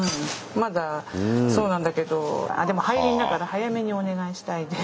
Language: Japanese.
まだそうなんだけどでも排臨だから早めにお願いしたいです。